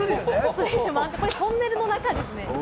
トンネルの中ですね。